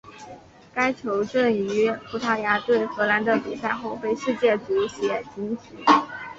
该球证于葡萄牙对荷兰的比赛后被世界足协停职。